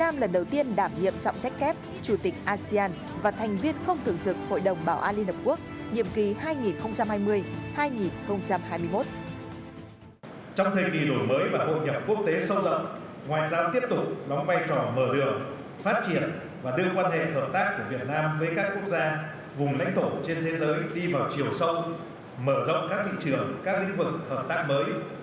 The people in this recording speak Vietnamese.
mở rộng các thị trường các lĩnh vực hợp tác mới